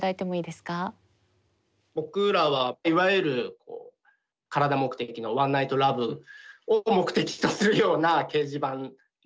僕らはいわゆる体目的のワンナイトラブを目的とするような掲示板で出会いました。